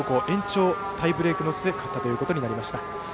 延長タイブレークの末勝ったということになりました。